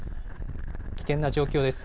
危険な状況です。